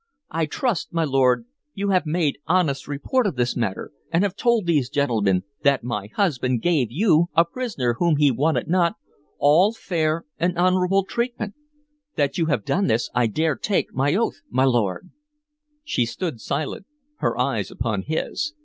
I trust, my lord, you have made honest report of this matter, and have told these gentlemen that my husband gave you, a prisoner whom he wanted not, all fair and honorable treatment. That you have done this I dare take my oath, my lord" She stood silent, her eyes upon his.